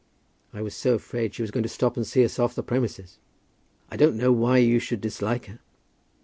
I was so afraid she was going to stop and see us off the premises." "I don't know why you should dislike her."